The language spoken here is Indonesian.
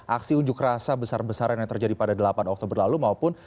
aksi unjuk rasa besar besaran yang terjadi pada delapan oktober lalu maupun